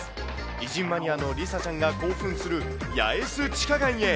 偉人マニアの梨紗ちゃんが興奮する八重洲地下街へ。